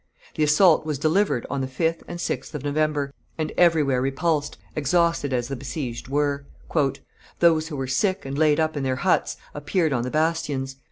The assault was delivered on the 5th and 6th of November, and everywhere repulsed, exhausted as the besieged were. "Those who were sick and laid up in their huts appeared on the bastions.